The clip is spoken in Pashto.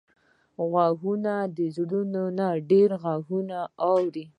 غوږونه د زړونو نه ډېر غږونه اوري